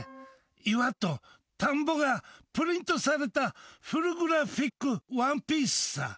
「岩」と「田んぼ」がプリントされたフルグラフィックワンピースさ。